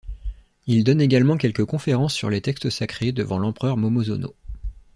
Il donne également quelques conférences sur les textes sacrés devant l’empereur Momozono.